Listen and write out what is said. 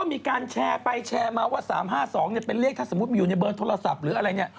มีการแชร์ไปแชร์มาว่า๓๕๒เป็นเลขถ้าสมมุติอยู่ในเบอร์โทรศัพท์หรืออะไรเนี่ย